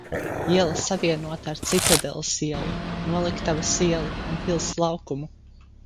Iela savienota ar Citadeles ielu, Noliktavas ielu un Pils laukumu.